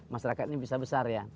masyarakat ini bisa besar ya